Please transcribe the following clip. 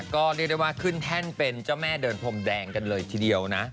ก็เรียกได้ว่าขึ้นแท่นเป็นเจ้าแม่เดินพรมแดงกันเลยทีเดียวนะ